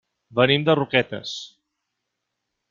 Venim de Roquetes.